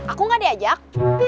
aku nggak diajak